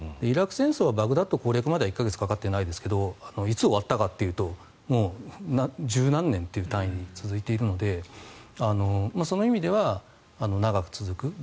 イラク戦争はバグダッド攻略まで１か月かかっていないですがいつ終わったかというと１０何年という単位で続いているのでその意味では長く続く。